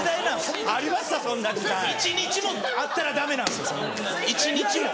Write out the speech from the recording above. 一日もあったらダメなんです一日も。